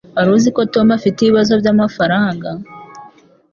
Wari uzi ko Tom afite ibibazo byamafaranga?